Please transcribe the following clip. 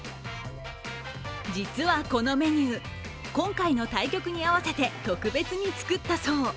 実はこのメニュー今回の対局に合わせて特別に作ったそう。